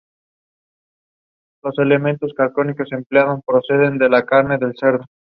Los microorganismos se convirtieron entonces en los objetivos de las búsquedas de causas.